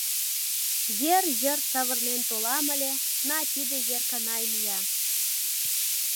Ер йыр савырнен толам ыле, уна тиде, Эрканай, мия...